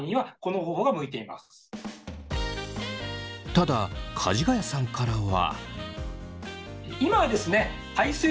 ただかじがやさんからは。